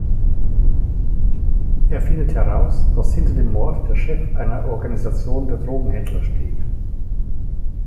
Er findet heraus, dass hinter dem Mord der Chef einer Organisation der Drogenhändler steht.